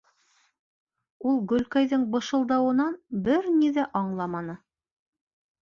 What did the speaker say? Ул Гөлкәйҙең бышылдауынан бер ни ҙә аңламаны.